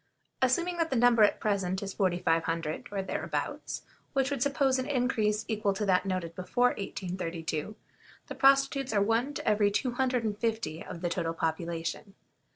Assuming that the number at present is 4500, or thereabouts, which would suppose an increase equal to that noted before 1832, the prostitutes are one to every two hundred and fifty of the total population.